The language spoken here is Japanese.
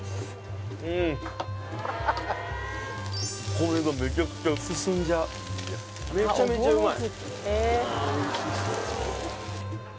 米がめちゃくちゃ進んじゃうめちゃめちゃうまい